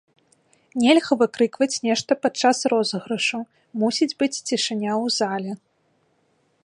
Нельга выкрыкваць нешта падчас розыгрышу, мусіць быць цішыня ў зале.